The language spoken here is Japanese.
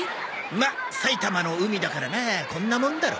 まあさいたまの海だからなこんなもんだろ。